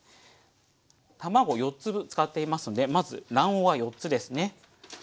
卵４つ使っていますのでまず卵黄は４つですね。